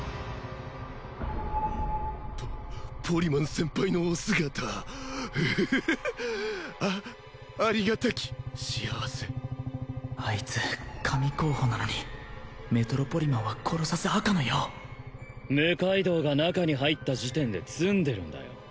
ポポリマン先輩のお姿ウフフあありがたき幸せあいつ神候補なのにメトロポリマンは殺さず赤の矢を六階堂が中に入った時点で詰んでるんだよ